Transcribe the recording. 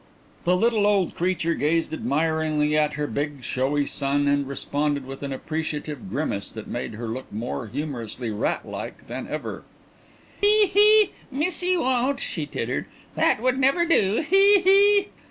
The little old creature gazed admiringly at her big showy son and responded with an appreciative grimace that made her look more humorously rat like than ever. "He! he! Missie won't," she tittered. "That would never do. He! he!"